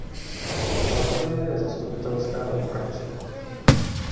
Brazílie je zastupitelská demokracie.